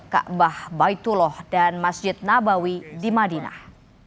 ⁇ abah baitullah dan masjid nabawi di madinah